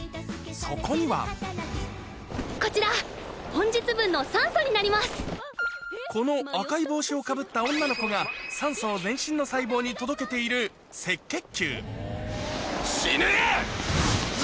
そこにはこの赤い帽子をかぶった女の子が酸素を全身の細胞に届けている死ね！